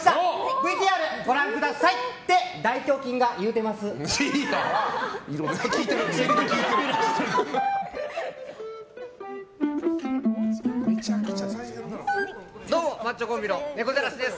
ＶＴＲご覧ください。って大胸筋が言うてます。